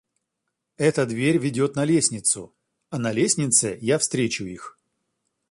Эта дверь ведёт на лестницу, а на лестнице я встречу их.